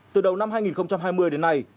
từ đầu năm hai nghìn hai mươi đến nay